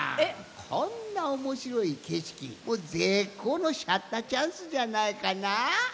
こんなおもしろいけしきぜっこうのシャッターチャンスじゃないかな？